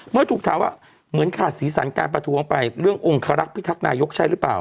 เมื่อถูกถามว่าเหมือนขาดสีสันการประท้วงไปเรื่ององคารักษ์พิทักษนายกใช่หรือเปล่า